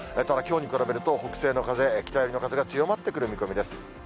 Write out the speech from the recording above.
ただ、きょうに比べると北西の風、北寄りの風が強まってくる見込みです。